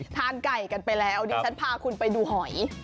ทานไก่กันไปแล้วดิฉันพาคุณไปดูหอย